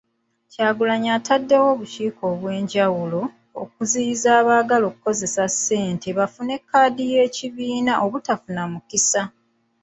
Kyagulanyi ataddewo obukiiko obwenjawulo okuziyiza abaagala okukozesa ssente bafune kkaadi y'ekibiina obutafuna mukisa.